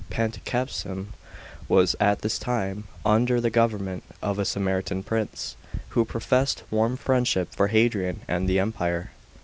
Panticapseum was at this time under the government <f a Sarmatian prince, who professed warm friendship for Hadrian and t> e Empire.